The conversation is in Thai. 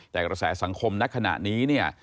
แต่กระแสสังคมณขณะนี้เนี่ย